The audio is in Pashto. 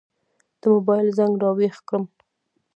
د موبایل زنګ را وېښ کړم.